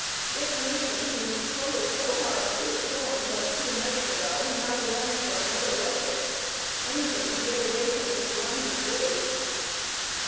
Dick Mason who had struggled so hard through a storm but a few nights ago now longed for another like it. Anything to get away from this blinding blaze.